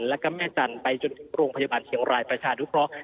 แล้วก็แม่จันทร์ไปจนถึงโรงพยาบาลเชียงรายประชานุเคราะห